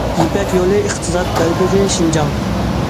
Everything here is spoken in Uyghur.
يىپەك يولى ئىقتىساد بەلبېغى شىنجاڭ.